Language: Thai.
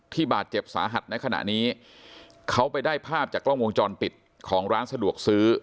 บาดเจ็บสาหัสในขณะนี้เขาไปได้ภาพจากกล้องวงจรปิดของร้านสะดวกซื้อ